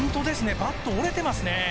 バット折れてますね。